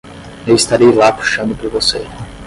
Eu estarei lá puxando por você.